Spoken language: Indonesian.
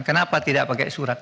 kenapa tidak pakai surat